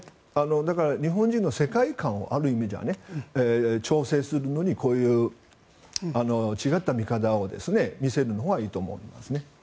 だから、日本人の世界観をある意味では調整するのにこういう違った見方を見せるのはいいと思いますね。